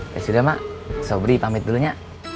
ya sudah mak sobri pamit dulunya